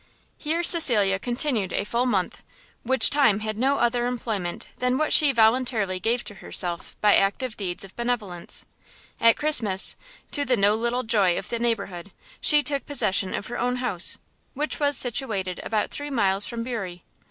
Here Cecilia continued a full month: which time had no other employment than what she voluntarily gave to herself by active deeds of benevolence. At Christmas, to the no little joy of the neighbourhood, she took possession of her own house, which was situated about three miles from Bury.